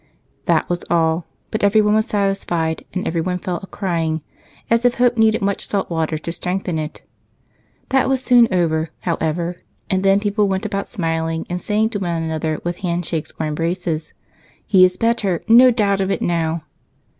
That was all, but everyone was satisfied, and everyone fell a crying, as if hope needed much salty water to strengthen it. That was soon over, however, and then people went about smiling and saying to one another, with handshakes or embraces, "He is better no doubt of it now!"